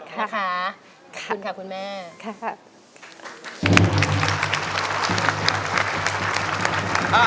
คุณค่ะคุณแม่ค่ะค่ะ